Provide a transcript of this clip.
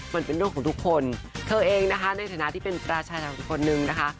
มันเป็นเรื่องของทุกคนเธอเองนะคะในฐานะที่เป็นประชาชนอีกคนนึงนะคะ